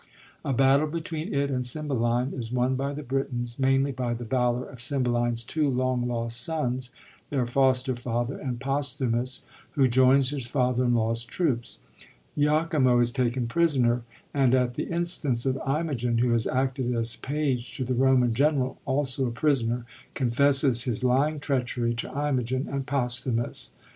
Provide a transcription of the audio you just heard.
A battle between it and Cyui beline is won by the Britons, mainly by the valor of Cymbeline's two long lost sons, their foster father, and Posthumus, who joins his father in law's troops, lachimo is taken prisoner, and — at the instance of Imogen, who has acted as page to the Roman general, also a prisoner — confesses his lying treachery to Imo gen and Posthumus.